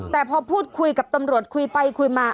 แต่พอพูดคุยกับตำรวจคุยไปคุยมา